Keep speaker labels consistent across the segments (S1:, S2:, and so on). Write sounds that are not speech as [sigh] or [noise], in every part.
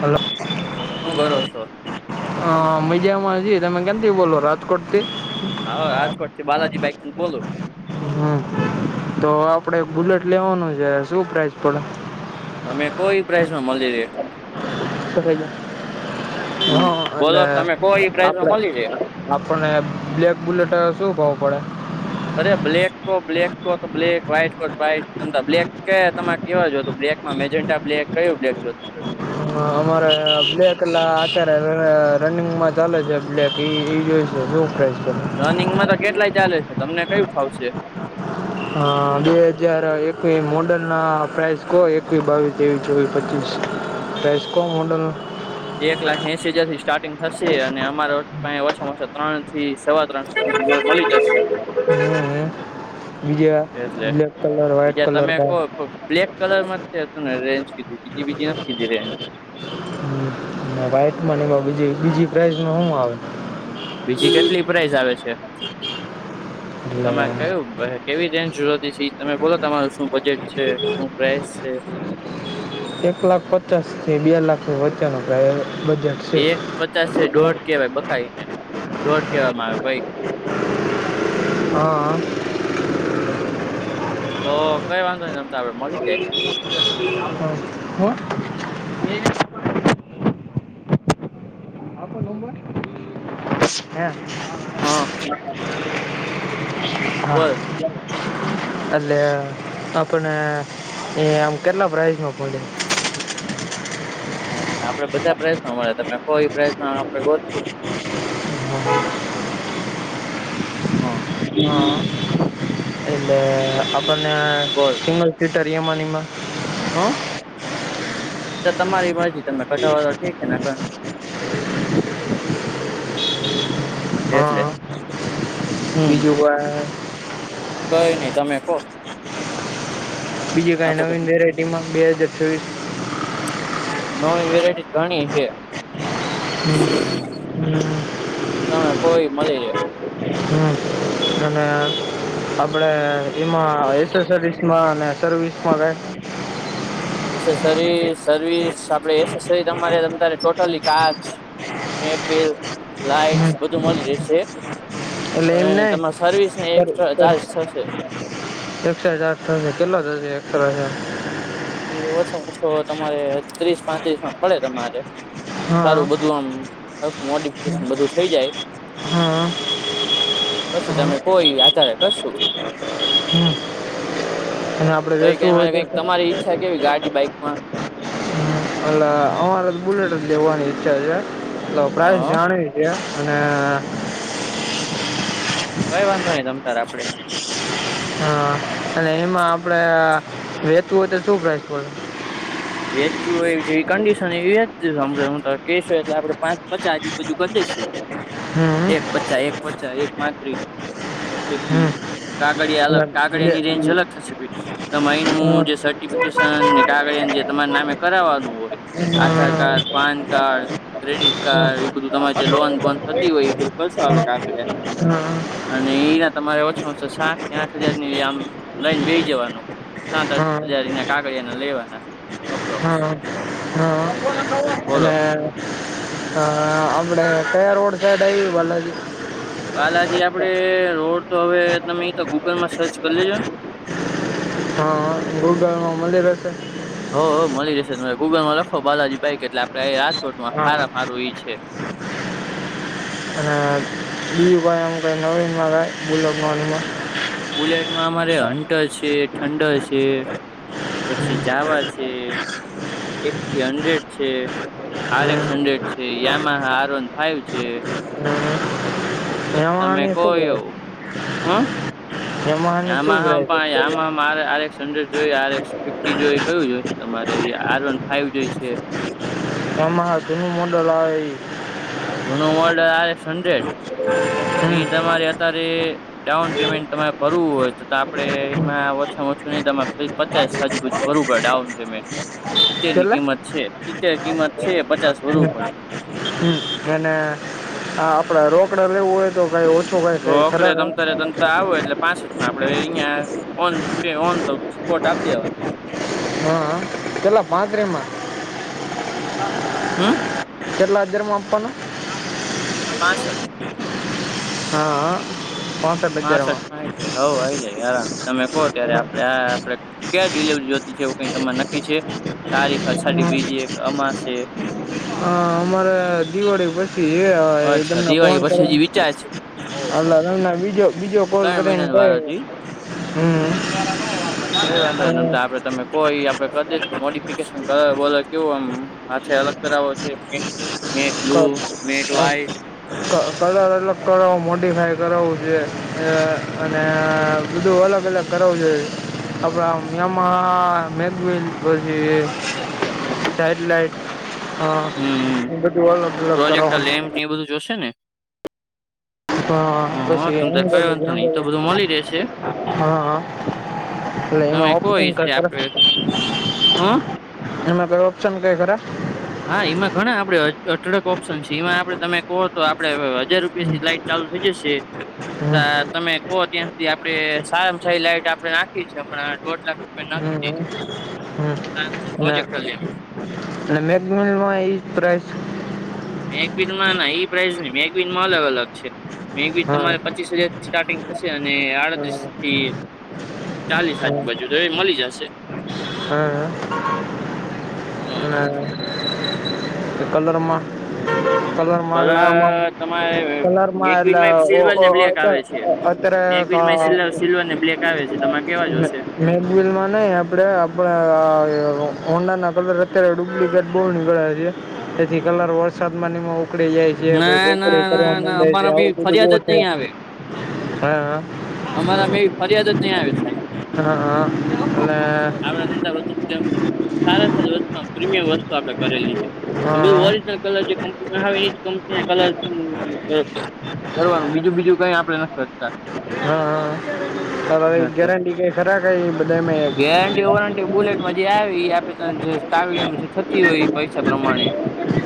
S1: Hello.
S2: શું કરો છો?
S1: હ મજામાં છીએ તમે કયાંથી બોલો? રાજકોટ થી?
S2: હા રાજકોટથી બાલાજીભાઈ બોલુ.
S1: હમ તો આપડે બુલેટ લેવાનું છે શું પ્રાઈઝ પડે?
S2: તમે કો ઇ પ્રાઇસમાં મળી રે. હમ
S1: હા એટલે
S2: બોલો તમે કોઈ પ્રાઇઝમાં
S1: આપડે
S2: મળી રે
S1: આપણને બ્લેક બુલેટ શું ભાવું પડે?
S2: અરે black coat black coat black white coat white તમ બ્લેક કે તમારે કેવા જો તો એજન્ટા બ્લેક કયું બ્લેક જો?
S1: અમારે બ્લેક અત્યારે રનિંગમાં ચાલે છે બ્લેક એ [unintelligible] છે.
S2: રનિંગ માં તો કેટલાય ચાલે છે તમને કયું ફાવશે?
S1: હા બે હજાર એકવી મોડલ ના પ્રાઇસ કો એકવી બાવીસ? તેવીસ ચોવીસ પચીસ પ્રાઈઝ કો મોડલ.
S2: એક લાખ એશિ હજાર થી સ્ટાર્ટિંગ થશે અને અમારો આયા ઓછામાં ઓછા ત્રણ થી સવા ત્રણ સુધી મળી જશે.
S1: હમ બીજા
S2: એટલે.
S1: બ્લેક કલર વ્હાઈટ
S2: બીજા
S1: કલર
S2: તમે
S1: કા
S2: કહો બ્લેક કલર માં છેું ને રેન્જ કીધી બીજી બીજી નથી કીધી રેન્જ.
S1: હ વાઈટ મની બી બીજી પ્રાાઈઝ માં શું આવે?
S2: બીજી કેટલી પ્રાઇઝ આવે છે?
S1: એટલે
S2: તમાર કેવું કેવી રેંજ જોતી છે તમે બોલો તમારું શું બજેટ છે શું પ્રાઇસ છે?
S1: એક લાખ પચાસ થી બે લાખ વચ્ચેનો પ્રાઈઝ બજેટ. છે
S2: એક પચાસ દોઢ કેવાય બખા દોઢ કેવામાં આવે ભાઈ.
S1: હા.
S2: તો કઈ વાંધો નહી હાબતા તો આપડે મળી જાય.
S1: [unintelligible] હો? [unintelligible]
S2: હા. પર.
S1: [inaudible] અલે આપને આમ કેરલા પ્રાયઝ માં પડશે?
S2: અ આપડે બધા પ્રશ્નો મળ્યા તમે કોઈ પ્રશ્નો આપડે ગોળ હ.
S1: હા, એ અને આપણે
S2: બોલ
S1: સીટરિયામાં નિમાં
S2: હ, એ તો તમારી મરજી તમે કઢાવો તો ઠીક છે ને. એટલે
S1: હા,
S2: હમ
S1: બીજું કોય?
S2: કઈ નઈ તમે કો?
S1: બીજી કઈ
S2: તો
S1: નવીન વેરાયટી માં બે હાજર છવીસ?
S2: નવી વેરાયટી ઘણી હ.
S1: હમ હમ [inaudible]
S2: તમે કોઈ મલી લેય હું.
S1: હમ અને આપડે એમાં એસે સરીસમાં ને સર્વિસમાં કઈ.
S2: એસસરી સર્વિસ આપડે એસેસરી તમારે તમતારે ટોટલી કાચ. મેકવિલ, લાઈટસ બધું મળી રહેશે.
S1: એટલે એમ
S2: તોય
S1: નઈ
S2: તમારા સર્વિસ ને એક્સ્ટ્રા ચાર્જ થશે.
S1: એક્સ્ટ્રા ચાર્જ થશે કેટલો થશે એક્સ્ટ્રા ચાર્જ.
S2: ઇ ઓછોમ ઓછો તમારે ત્રીસ પાંત્રીસ માં પડે તમારે.
S1: હા
S2: સારું બધું આમ આખું મોડિફિકેશન બધું થઈ જાય.
S1: હા
S2: પછી તમે કો ઈ આધારે કરસુ.
S1: હમ અને આપડે
S2: ભઈ
S1: વેચવું હોય
S2: એમાં કઈ તમારી. ઈચ્છા કેવી ગાડી બાઈકમાં.
S1: અલા અમારે તો બુલેટ લેવાની ઈચ્છા છે. તો પ્રાઇઝ
S2: હા
S1: જાણવી છે અને
S2: કઈ વાંધો નહી તમ તાર આપડે.
S1: હા અને એમાં આપડે વેચવું હોય તો શું પ્રાઈસ પડે.
S2: વેચવું એવી જેવી કંડિશન એવી વેચસું દશ હ કેશ એટલે આપડે પાંચ પચાસ આજુ બાજુ કરી દઈશું.
S1: હમ્મ
S2: એક
S1: હમ્મ.
S2: પચા એક પચા એક પાત્રી એક બી
S1: હમ
S2: કાગડિયા
S1: અને
S2: અલગ
S1: લે
S2: કાગડિયાની રેન્જ અલગ થશે ભઈ તમે
S1: અ
S2: અહીંનું જે સર્ટિફિકેશન કાગડિયા જે તમારે નામે કરાવાનું હોય.
S1: અ
S2: Aadhaar card, PAN card, credit card એ બધું તમારે જે લોન બોન થતી હોય એ બધું કરશું આપડે કાગડિયાનું.
S1: હમ્મ.
S2: અને એના તમારે ઓછામાં ઓછો સાત થી આઠ હજાર ની આમ લઈન બેઈ જવાનું. સાથ આઠ
S1: હા
S2: હજાર એના કાગળિયાંના લેવાના. અપ્રોક્સ
S1: હા હા
S2: એટલે. બોલો
S1: અને અ આપડે ક્યાં રોડ સાઈડ આઇવી બાલાજી.
S2: બાલાજી આપડે રોડ તો હવે તમે તો ગૂગલ માં સર્ચ કરી લેજો ને.
S1: ગુગલમાં મળી રહશે.
S2: હો-હો મળી જશે તમે ગૂગલમાં લખો બાલાજી બાઈક કે એટલે આપડે રાજકોટમાં
S1: હા
S2: હારા મા હારુ ઈ છે.
S1: અને બીજું ભાઈ આમ કંઈ નવીનમા કાંઈ બુલેટમાં ઓલુ મા.
S2: બુલેટમાં અમારે હન્ટર છે, ઠંડર છે. પછી જાવા છે, એપી હન્ડ્રેડ છે. આર એક્સ
S1: હમ
S2: હન્ડ્રેડ છે, યામાં હા આર વન ફાઈવ છે.
S1: હમ
S2: પછી તમે
S1: યામાહાની શું
S2: કોઈ
S1: પ્રાઈઝ
S2: એવું. હમ્મ.
S1: યામાહાની શું
S2: આમાહા મા પા
S1: price
S2: Yamaha R RX. Hundred જોઈએ આર એક્સ ફિફી જોઈ કયું જોઈ તમારે આર વન ફાઈવ જોઈ છે.
S1: યામાહા જૂનું મોડલ આ એ.
S2: જૂનો મોડલ આ એસ હન્ડ્રેડ
S1: હમ
S2: એ તમારે અત્યારે ડાઉન પેમેન્ટ તમારે ભરવું હોય તો તો આપડે એમાં ઓછામાં ઓછું નહી તમારે પચાસ આજુબાજુ બરોબર ડાઉન પેમેન્ટ હિતેરની
S1: કેટલા
S2: કિંમત છે. હિતેર કિંમત છે. પચ
S1: હમ્મ હમ્મ અને આપડા રોકડા લેવું હોય. તો ભાઈ ઓછો કંઈ કંઈ કરે ને.
S2: તો આવો એટલે પાસઠ માં આપડે અહંયા ઓન પે ઓન તો સ્પોટ આપ દેવા.
S1: હા કેટલા પાત્રીમાં.
S2: હા,
S1: કેટલા હજારમાં આપવાનો,
S2: પાસઠ,
S1: હા હા પા
S2: પાસઠમાં હાય, હવ આઈ જાય આરામ તમે કહો ત્યારે આપડે
S1: હ
S2: આ આપ કે ડિલિવરી જોતી છે એવું કઈ તમને નક્કી છે તારીખ અષાડી બીજી, એક અમાસે
S1: અ અમારે દિવાળી પછી એ હવે
S2: અચ્છા
S1: તમને ફોન
S2: દિવાળી પછી
S1: કરવા.
S2: જે વિચાર છે ઓહો
S1: આલા રવલા ને બીજો વિડિયો કોલ
S2: ત્રણ
S1: કરીને
S2: મહિનાની
S1: કંઇ
S2: વાર હતી
S1: [unintelligible]
S2: કઈ વાંધો ન તમ તો આપડે તમે. કોઈ આપડે કરી દઈશ મોડિફિકેશન બોલ કેવું આમ છે અલગ કરાવો છે એમ કે, matte blue, matte white,
S1: colour અલગ કરવું મોડિફાય કરાવવું છે. અને બીજું અલગ અલગ, કરવો જોએ આપણે આપ આમ, માં મેગવેલ પછી સાઇડલાઇટ,
S2: હમ પ્રોજેક્ટર લેમ્પ નિ બધું જોશે ને,
S1: હા
S2: હા
S1: પછી
S2: તમ તો
S1: એન્ડ
S2: કઈ વાંધો નહી તો બધું મળી રહેશે
S1: [unintelligible] હા હા, એલે
S2: તમે
S1: એમાં
S2: કો
S1: ઓપ્શન
S2: એ રીતે
S1: કઈ કર
S2: આપડે હ
S1: એમાં કઈ ઓપ્શન કઈ ખરા?
S2: હા એમાં ઘણા આપડે અઢળક ઓપ્શન છે એમાં આપડે તમે કહો તો આપડે હજાર રૂપિયા થી લાઈટ, ચાલુ થઈ જશે ત.
S1: હમ
S2: તમે કહો ત્યાં સુધી આપડે સારી સારી લાઈટ આપડે નાખી છે, હમણાં દોઢ લાખ રૂપિયા નાખી
S1: હમ
S2: દઈશ. લેમ્પ
S1: અને મેગવિનેમાં એજ પ્રાઇઝ.
S2: મેગેવિનમાં ના એ પ્રાઇસમાં નઇ મેગવિન મા અલગ અલગ છે, મેગેઝવિન
S1: હા
S2: તમારે પચીસ હજારથી સ્ટાર્ટિંગ. હશે, અને
S1: હા
S2: આડત્રીસથી ચાલીસ આજુબાજુ તોય મળી જશે.
S1: હા હા.
S2: હા.
S1: કલરમાં.
S2: કલર તમારે
S1: કલરમાં
S2: મેગવીનમાં સિલ્વર ને
S1: એટલે.
S2: બ્લેક આવે છે.
S1: [unintelligible] અત્યારે તો,
S2: મેગવીનમાં સિલ્વર સિલ્વર ને બ્લેક આવે છે તમારે કેવા જોશે?
S1: મેકબિલમાં નહ, આપડે આપડા હોન્ડાના કલર અત્યારે ડુપ્લિકેટ બહુ નીકળ્યા છીએ. તેથી કલર વરસાદમાં ન એમાં ઉખળી જાય છે. જે
S2: ના ના
S1: ભાઈ [unintelligible] કરવા
S2: ના ના
S1: માંડે છે,
S2: અમારામાં
S1: આવું
S2: એવી
S1: બધું
S2: ફરિયાદ
S1: બહુ
S2: જ
S1: થાય છે.
S2: અમારા મા એવી ફરિયાદ જ નહીં આવે, સાહેબ.
S1: હા હા એટલે.
S2: સારી સારી વસ્તુ, પ્રીમિયમ વસ્તુ આપણે કરેલી છે, એ
S1: હા
S2: ઓરિજિનલ કલર જે કંપનીમાં આવે એ. કંપનીનું કલર કરવાનું બીજું બીજું કંઈ આપણે નથી કરતા.
S1: હા, હવ
S2: એટલે
S1: ગેરંટી કંઈ ખરા કંઈ બધા મેં?
S2: વેરા બુલેટમાં જે આવી આપે, [unintelligible] એ તો કામમાં જે થતી હોય પૈસા પ્રમાણે.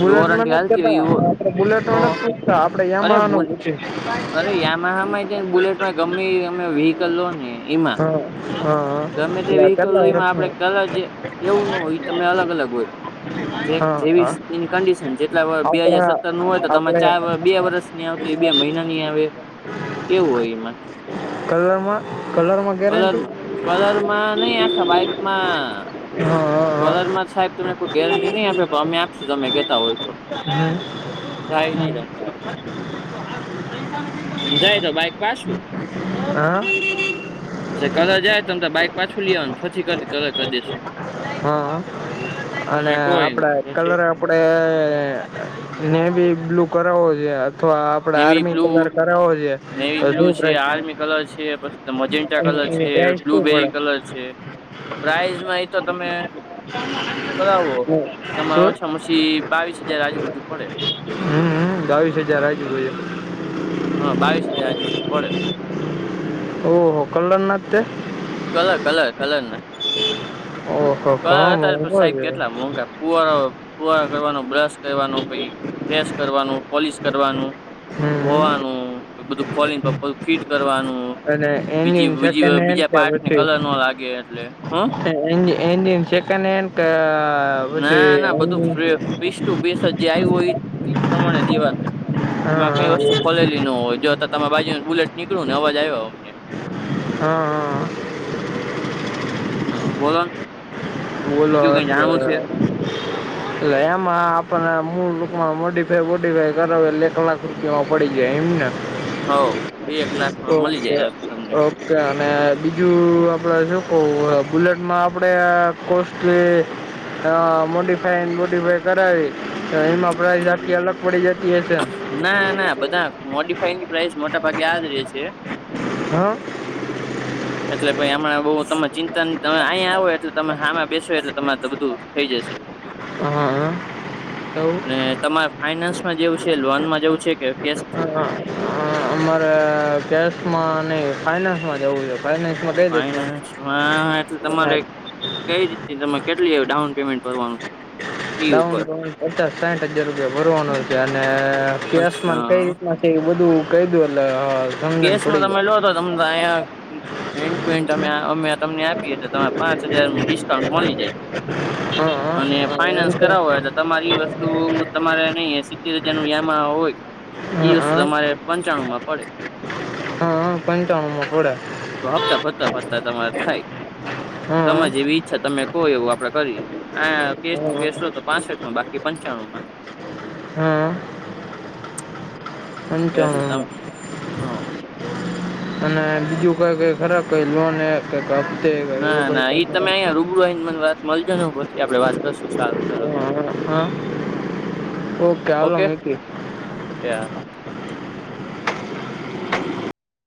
S1: બુલેટમાં
S2: વોરંટી
S1: નથ
S2: હાલતી
S1: કહેતા
S2: હોય એ
S1: આપણે બુલેટ
S2: તો
S1: માં નથ કહેતા આપણે
S2: અરે
S1: યામાહા નો
S2: બુલ
S1: પૂછત.
S2: અરે, યામાંહા, હા, ને બુલેટમાં ગમે એમ વિ હિક્લ લો એમાં,
S1: હા હા
S2: ગમે તે
S1: એટલે
S2: વિહિકલળો,
S1: કેટલા
S2: એમાં આપડે
S1: વર્ષનું
S2: કલર જે, એવું નો હોય, તમે અલગ અલગ હોય, જે
S1: હા
S2: જેવી
S1: હા
S2: એની કન્ડિશન, જેટલા બે હજાર
S1: આપણા
S2: સત્તર, હોય તો તમે
S1: આપડે
S2: ચાર-બે વર્ષ ની આવતી, બે મહિનાની આવે, એવું હોય એમાં.
S1: કલરમાં. કલરમાં ગેરંટી
S2: કલરમાં, કલરમાં નહીં, આખા બાઈકમાં.
S1: હા. હા
S2: કલરમાં સાહેબ, તમને કોઈ ગેરંટી નહીં આપે, પણ અમે આપીશું, તમે કહેતા હોય તો. જાય નહી
S1: હમ,
S2: તમતારે
S1: હમ.
S2: જાય તો, બાઈક પાછું
S1: હા
S2: કઢાય. તમે તો બાઈક પાછું લો ને, પછી કરી કરી દઈશું.
S1: હા, અને
S2: તમે કો એમ
S1: આપણે
S2: પછી
S1: કલર આપણે નેવી બ્લુ કરાવવો જોઈએ, અથવા આપડે
S2: નેવી
S1: આર્મી
S2: બ્લુ,
S1: કલર કરાવવો છે
S2: નેવી
S1: તો
S2: બ્લુ
S1: શું
S2: છે,
S1: પ્રાઇસ
S2: આર્મી કલર છે, પછી મેજેન્ટા કલર
S1: એની
S2: છે.
S1: પ્રાઇસ શું પડે
S2: બ્લુબેરી કલર છે.
S1: [unintelligible]
S2: પ્રાઇઝમાં એ તો તમે કરાવો, તમારે
S1: શું
S2: ઓછામાં-ઓછા બાવીસ હજાર આજુબાજુ પડે.
S1: હા, બાવીસ હજાર આજુબાજુ.
S2: બાવીસ હજાર આજુબાજુ પડે.
S1: ઓહ, હા, ખરું ને તે.
S2: કલર, કલર, કલર ના
S1: ઓહો
S2: કલર
S1: ઘણો
S2: હતા, તો
S1: મોંઘો
S2: સાઈઝ
S1: છે
S2: કેટલી? પુવારા પુવારા કરવાનો, બ્રશ કરવાનો, પછી ફેસ કરવાનું, પોલિશ કરવાનું.
S1: હમ
S2: ધોવાનું, બધું ખોલીને, પાછું ફિટ કરવાનું.
S1: અને એન્જિન
S2: બીજા
S1: સેકન્ડ હેન્ડ
S2: બીજા
S1: કે
S2: પાર્ટને કલર ન લાગે એટલે, હા.
S1: એ એન્જિન સેકન્ડ હેન્ડનું પછી
S2: પીસુ પેઇન્ટ જે આવ્યું હોય, એ પ્રમાણે દેવાનું.
S1: હા
S2: એમાં કંઈ
S1: હા
S2: વસ્તુ ખોલેલી ન હોય, જોતા તમારા બાજુથી બુલેટ નીકળે ને અવાજ આવ્યો અમને.
S1: હા, હા.
S2: હા, બોલો.
S1: ઓલર
S2: બીજું
S1: [unintelligible]
S2: કઈ જાણવું છે
S1: એટલે એમાં આપણને મૂળ રૂપમાં મોડીફાઈ વોડફાઈ કરાવે, એલે એક લાખ રૂપિયામાં પડી જાય એમ ને.
S2: હવે બે-એક લાખમાં મલી જાય તમને.
S1: અને બીજું આપડે શું કહેવાય, બુલેટમાં આપડે. કોસ્ટસ્ટલી. હ, મોડિફાઈ-મોડીફાઈ કરાવી તો, એમાં પ્રાઇઝ આખી અલગ પડી જતી હશે.
S2: ના, ના, બધા મોડીફાઈની પ્રાઇસ મોટા ભાગે આ જ રેય છે.
S1: હા.
S2: એટલે ભાઈ હમણાના બઉ તમે ચિંતાની તમે અહીંયા આવો, એટલે તમે હમણા બેસો, એટલે તમારે બધું થઈ જશે.
S1: હા
S2: અને
S1: તવ [unintelligible]
S2: તમારે ફાઈનાન્સમાં જેવું છે? લોનમાં જેવું છે? કે કેશ થ
S1: અમારે કેશમાં નય, ફાઈનાન્સમાં જવું છે. ફાયનાશ માં [unintelligible]
S2: ફાઈનાન્સ માં એટલે તમારે કઈ રીતની તમે કેટલી ડાઉન પેમેન્ટ ભરવાનું? ઈ
S1: ડાઉન
S2: ઉપર
S1: પેમેન્ટ પચાસ-સાઇઠ હજાર રૂપિયા ભરવાનું છે, અને કેસમાં કઈ
S2: અચ્છા
S1: રીતના એ બધું કઈ દું, એટેલ હ.
S2: કેસમાં તમે લો, તો તમે અહીયા હેન્ડ ટુ હેન્ડ, અમે અમે તમને આપી પિયે તો તમારે પાંચ હજાર ડિસ્કાઉન્ટ મલી જાય,
S1: હા
S2: અને
S1: હા એમ
S2: ફાઈનાન્સ
S1: તો
S2: કરાવો તમારી વસ્તુ તમારે નઈ સિત્તેર હજારનું યામહ હોય. ઈ વસ્તુ
S1: હા
S2: તમારે પંચાણું માં પડે.
S1: હા, હ, પંચનું માં ફડે.
S2: તો હપ્તા ફરતા ફરતા તમારે થાય.
S1: હા
S2: તમારે જેવી ઈચ્છા તમે કો એવું આપડે કરી. આ કેસ ટુ કેસો તો પાસઠમાં, બાકી પંચાણું માં.
S1: [unintelligible] હા.
S2: એટલે
S1: પંચાનું
S2: તમ
S1: માં.
S2: હ
S1: અને બીજું કઈ-કઈ ખરા, કઈ લોને. તો કફતે.
S2: ના, ના, ઈ તમે અહીંયા રૂબરૂ આને મને વાત મળજોને, પછી આપડ વાત કરશું, સારું ચલો.
S1: હા હા, ઓકે, હાલો મૂકી.
S2: એ હા.